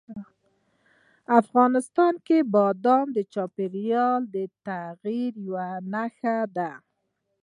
افغانستان کې بادام د چاپېریال د تغیر یوه نښه ده.